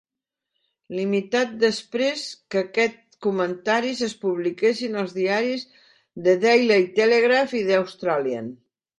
Limitat després que aquests comentaris es publiquessin als diaris "The Daily Telegraph" i "The Australian".